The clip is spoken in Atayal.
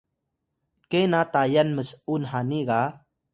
ke na Tayal ms’un hani ga